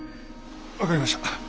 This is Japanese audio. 分かりました。